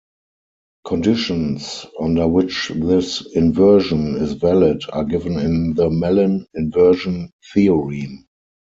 Conditions under which this inversion is valid are given in the Mellin inversion theorem.